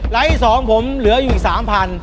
ร้านที่๒ผมเหลืออยู่อีก๓๐๐๐